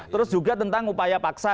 terus juga tentang upaya paksa